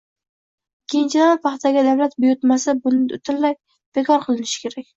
Ikkinchidan, paxtaga davlat buyurtmasi butunlay bekor qilinishi kerak